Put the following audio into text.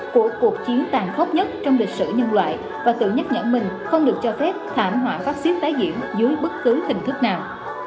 của cuộc chiến tàn khốc nhất trong lịch sử nhân loại và tự nhắc nhở mình không được cho phép thảm họa phát xít tái diễn dưới bất cứ hình thức nào